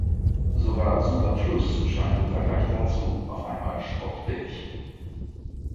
Sogar Super Plus scheint im Vergleich dazu auf einmal spottbillig.